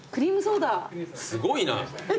すごいな。